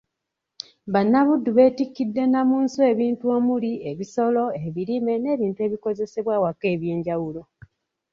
Bannabuddu beetikkidde Nnamunswa ebintu omuli; ebisolo, ebirime n'ebintu ebikozesebwa awaka eby'enjawulo.